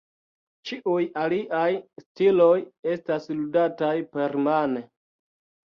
Ĉiuj aliaj stiloj estas ludataj permane.